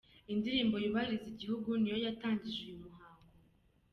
Indirimbo y’ubahiriza Igihugu niyo yatangije uyu muhango.